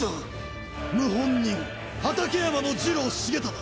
謀反人畠山次郎重忠